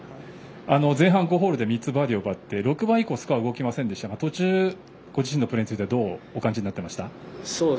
前半５ホールで３つバーディーを奪って６番以降、スコアが動きませんでしたが途中、ご自身のプレーについてはどうお感じになっていました？